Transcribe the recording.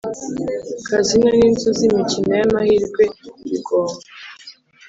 Kazino n inzu z imikino y amahirwe bigomba